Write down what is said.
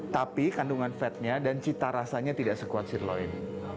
tapi kandungan fatnya dan cita rasanya tidak sekuat sirloin